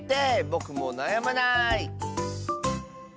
ぼくもうなやまない！